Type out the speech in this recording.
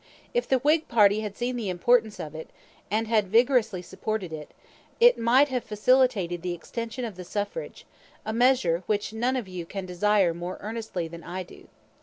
If the Whig party had seen the importance of it, and had vigorously supported it, it might have facilitated the extension of the suffrage, a measure which none of you can desire more earnestly than I do.